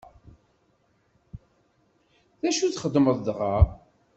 D acu txedmeḍ dɣa?